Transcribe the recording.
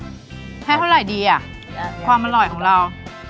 ให้เท่าไหร่ดีอ่ะความอร่อยของเรา